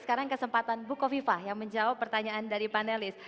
sekarang kesempatan bukoviva yang menjawab pertanyaan dari panelis